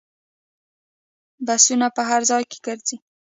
بسونه په هر ځای کې ګرځي.